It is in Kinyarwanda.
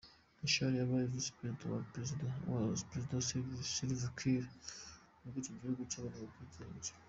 Machar yabaye Visi Perezida wa Perezida Salva Kiir ubwo icyo gihugu cyabonagaga ubwigenge.